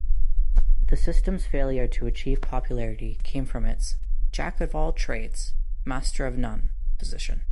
The system's failure to achieve popularity came from its "jack-of-all-trades, master-of-none" position.